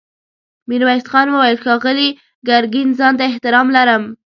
ميرويس خان وويل: ښاغلي ګرګين خان ته احترام لرم.